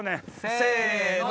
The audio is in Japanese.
せの！